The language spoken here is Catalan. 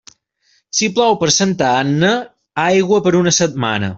Si plou per Santa Anna, aigua per una setmana.